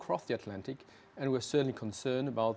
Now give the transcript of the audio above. jadi apa yang dilakukan uni eropa